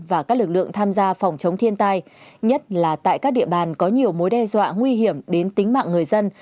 và các lực lượng tham gia phòng chống thiên tai nhất là tại các địa bàn có nhiều mối đe dọa nguy hiểm đến tính mạng người dân